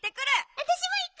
あたしもいく！